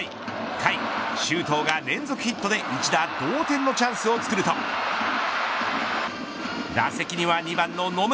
甲斐、周東が連続ヒットで一打同点のチャンスをつくると打席には２番の野村。